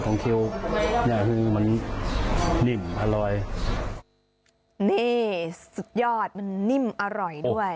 นี่สุดยอดนิ่มอร่อยด้วย